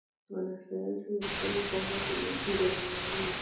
Wanasayansi walisema kwamba tujikinge na magonjwa.